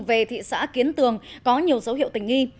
về thị xã kiến tường có nhiều dấu hiệu tình nghi